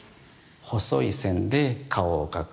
細い線で顔を描く。